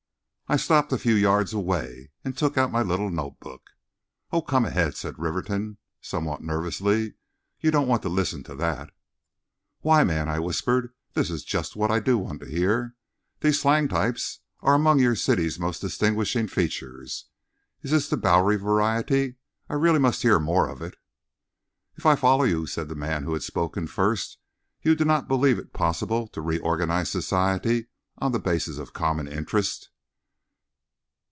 I stopped a few yards away and took out my little notebook. "Oh, come ahead," said Rivington, somewhat nervously; "you don't want to listen to that." "Why, man," I whispered, "this is just what I do want to hear. These slang types are among your city's most distinguishing features. Is this the Bowery variety? I really must hear more of it." "If I follow you," said the man who had spoken first, "you do not believe it possible to reorganize society on the basis of common interest?"